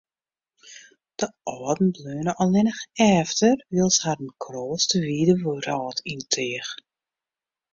De âlden bleaune allinne efter, wylst harren kroast de wide wrâld yn teach.